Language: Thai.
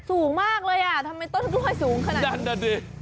สูงมากเลยทำไมต้นกล้วยสูงขนาดนี้